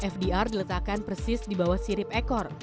fdr diletakkan persis di bawah sirip ekor